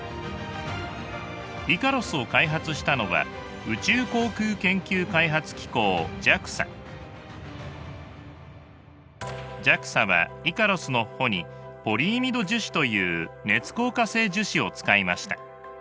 イカロスを開発したのはＪＡＸＡはイカロスの帆にポリイミド樹脂という熱硬化性樹脂を使いました。